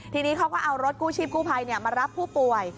ทีนี้เขาก็เอารถกู้ชีพกู้ภัยมารับผู้ป่วย